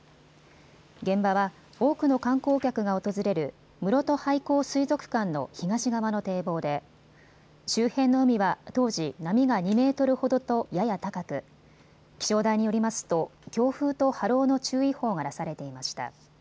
現場は多くの観光客が訪れるむろと廃校水族館の東側の堤防で周辺の海は当時、波が２メートルほどとやや高く気象台によりますと強風と波浪の注意報が出されていました。